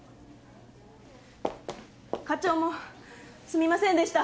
課長もすみませんでした。